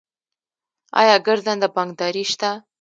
آیا ګرځنده بانکداري شته؟